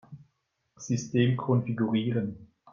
System konfigurieren.